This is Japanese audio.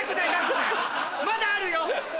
まだあるよ！